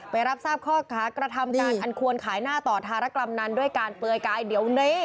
รับทราบข้อค้ากระทำการอันควรขายหน้าต่อธารกรรมนั้นด้วยการเปลือยกายเดี๋ยวนี้